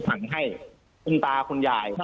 หันให้คุณตาคุณยาย